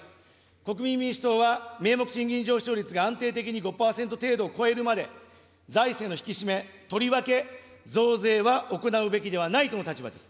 国民民主党は、名目賃金上昇率が安定的に５％程度を超えるまで、財政の引き締め、とりわけ増税は行うべきではないとの立場です。